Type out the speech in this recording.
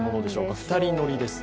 ２人乗りです。